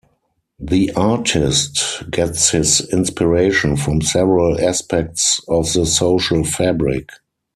The artist gets his inspiration from several aspects of the social fabric.